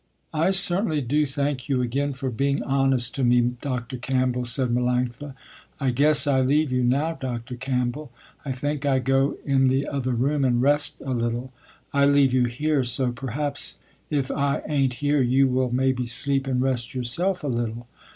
"I certainly do thank you again for being honest to me, Dr. Campbell," said Melanctha. "I guess I leave you now, Dr. Campbell. I think I go in the other room and rest a little. I leave you here, so perhaps if I ain't here you will maybe sleep and rest yourself a little.